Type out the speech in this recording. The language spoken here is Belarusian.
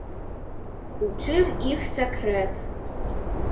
У чым іх сакрэт?